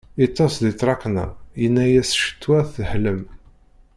Iṭṭes di tṛakna, yina-as ccetwa teḥlem.